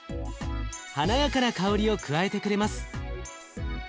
華やかな香りを加えてくれます。